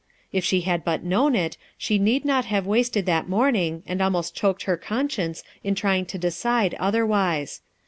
If she had but known it, sho need not have wasted that morning and almost choked her conscience in trying to decide other wise.